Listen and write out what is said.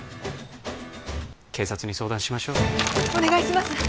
警察に相談しましょうお願いします